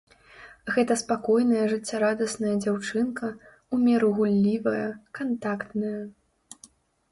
Гэта спакойная жыццярадасная дзяўчынка, у меру гуллівая, кантактная.